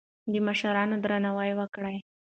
د مشرانو درناوی وکړئ.